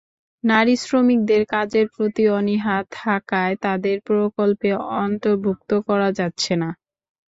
নারী শ্রমিকদের কাজের প্রতি অনীহা থাকায় তাঁদের প্রকল্পে অন্তর্ভুক্ত করা যাচ্ছে না।